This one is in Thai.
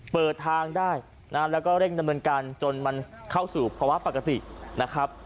เปิดทางได้นะแล้วก็เร่งดำเนินการจนมันเข้าสู่ภาวะปกตินะครับ